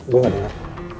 gue nggak dengar